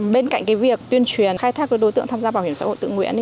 bên cạnh việc tuyên truyền khai thác đối tượng tham gia bảo hiểm xã hội tự nguyện